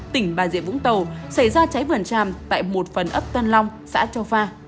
tỉnh bà rịa vũng tàu xảy ra cháy vườn tràm tại một phần ấp tân long xã châu pha